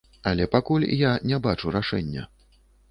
Але пакуль я не бачу рашэння.